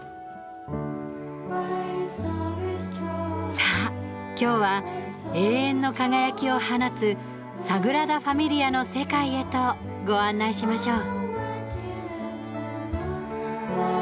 さあ今日は永遠の輝きを放つサグラダ・ファミリアの世界へとご案内しましょう。